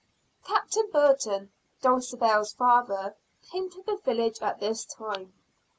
Captain Burton, Dulcibel's father, came to the village at this time.